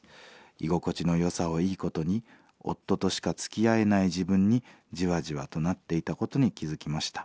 居心地のよさをいいことに夫としかつきあえない自分にじわじわとなっていたことに気付きました。